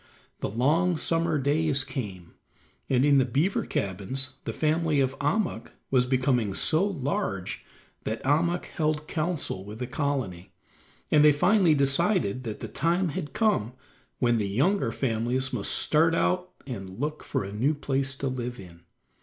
The long summer days came, and in the beaver cabins the family of Ahmuk was becoming so large that Ahmuk held counsel with the colony, and they finally decided that the time had come when the younger families must start out and look for a new place to live in.